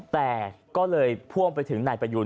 แต่ก็เลยพ่วงไปถึงนายประยูน